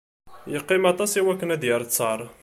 Yeqqim aṭas iwakken ad d-yerr ttar.